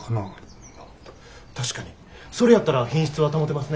確かにそれやったら品質は保てますね。